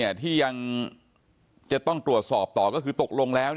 อายุ๑๐ปีนะฮะเขาบอกว่าเขาก็เห็นถูกยิงนะครับ